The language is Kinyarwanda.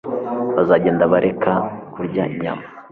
bazagenda bareka kurya inyama